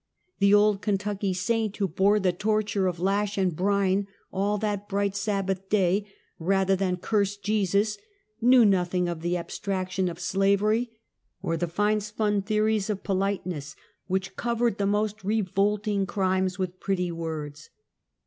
The old Ken tucky saint who bore the torture of lash and brine all that bright Sabbath day, rather than " curse Jesus," knew nothing of the abstraction of slavery, or the fine spun theories of politeness which covered the most re volting crimes with pretty words.